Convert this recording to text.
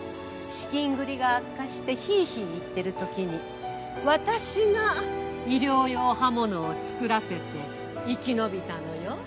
資金繰りが悪化してヒーヒー言ってるときに私が医療用刃物を作らせて生き延びたのよ。